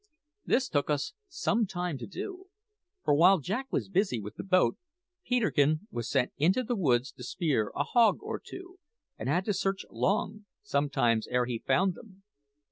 This took us some time to do; for, while Jack was busy with the boat, Peterkin was sent into the woods to spear a hog or two, and had to search long, sometimes, ere he found them.